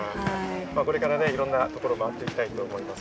これから、いろんなところを周っていきたいと思います。